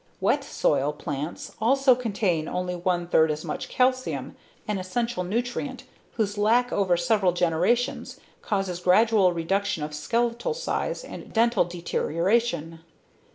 Wet soil plants also contain only one third as much calcium, an essential nutrient, whose lack over several generations causes gradual reduction of skeletal size and dental deterioration.